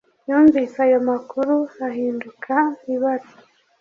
Yumvise ayo makuru ahinduka ibara